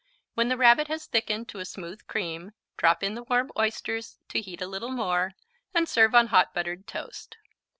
When the Rabbit has thickened to a smooth cream, drop in the warm oysters to heat a little more, and serve on hot buttered toast.